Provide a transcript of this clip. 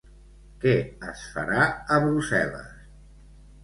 Què es farà a Brussel·les?